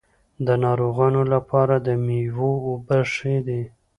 د ناروغانو لپاره د میوو اوبه ښې دي.